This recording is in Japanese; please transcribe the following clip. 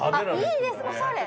いいですおしゃれ。